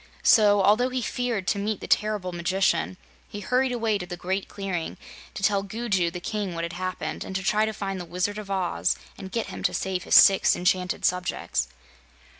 So, although he feared to meet the terrible magician, he hurried away to the Great Clearing to tell Gugu the King what had happened and to try to find the Wizard of Oz and get him to save his six enchanted subjects.